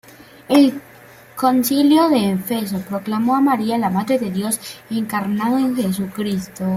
El concilio de Éfeso proclamó a María la madre de Dios encarnado en Jesucristo.